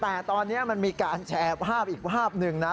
แต่ตอนนี้มันมีการแชร์ภาพอีกภาพหนึ่งนะ